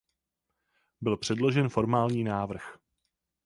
Byl předložen formální návrh.